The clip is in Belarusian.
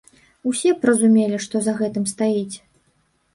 І ўсе б разумелі, што за гэтым стаіць.